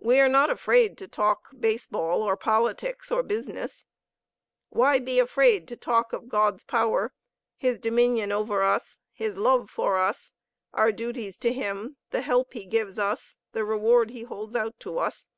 We are not afraid to talk baseball, or politics, or business. Why be afraid to talk of God's power, His dominion over us, His love for us, our duties to Him, the helps He gives us, the reward He holds out to us?